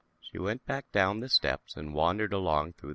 e went back down^the^steps .nd wandered along through